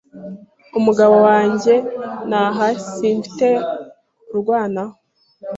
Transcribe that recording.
umugabo wanjye ntahari simfite undwanaho